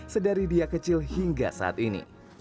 sedari dia kecil hingga saat ini